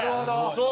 そう！